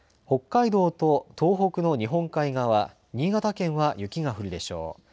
北海道と東北の日本海側、新潟県は雪が降るでしょう。